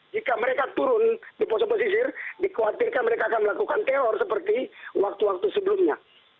jika mereka turun di poso pesisir dikhawatirkan mereka akan melakukan teror seperti waktu waktu sebelumnya